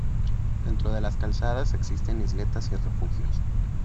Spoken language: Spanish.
Dentro de las calzadas existen isletas y refugios.